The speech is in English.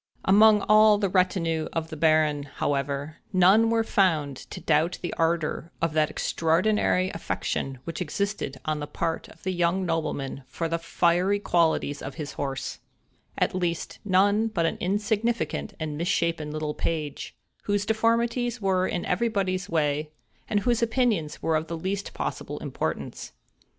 Among all the retinue of the Baron, however, none were found to doubt the ardor of that extraordinary affection which existed on the part of the young nobleman for the fiery qualities of his horse; at least, none but an insignificant and misshapen little page, whose deformities were in everybody's way, and whose opinions were of the least possible importance.